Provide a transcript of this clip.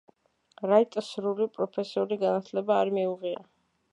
რაიტს სრული პროფესიული განათლება არ მიუღია.